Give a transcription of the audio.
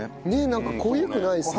なんか濃ゆくないですね。